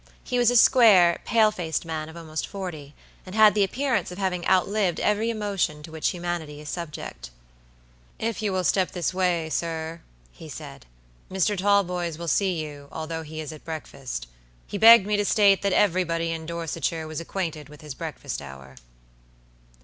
He was a square, pale faced man of almost forty, and had the appearance of having outlived every emotion to which humanity is subject. "If you will step this way, sir," he said, "Mr. Talboys will see you, although he is at breakfast. He begged me to state that everybody in Dorsetshire was acquainted with his breakfast hour."